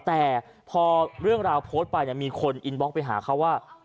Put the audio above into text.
แต่พอเรื่องราวโพสต์ไปมีคนอินบล็อกไปหาเขาว่า